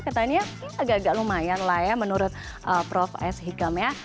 katanya agak agak lumayan lah ya menurut prof s hikam ya